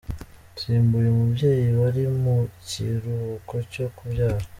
Nsimbuye umubyeyi wari mu kiruhuko cyo kubyara.